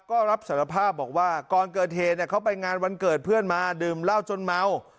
ก็รับสารภาพบอกว่าก่อนเกิดเหตุเขาไปงานวันเกิดเพื่อนมาดื่มเหล้าจนเมา